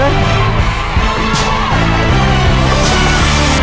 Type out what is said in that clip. ไปเลย